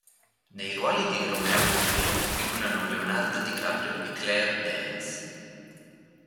Nei ruoli di Romeo e Giulietta figurano Leonardo DiCaprio e Claire Danes.